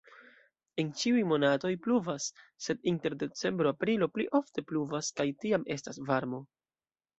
En ĉiuj monatoj pluvas, sed inter decembro-aprilo pli ofte pluvas kaj tiam estas varmo.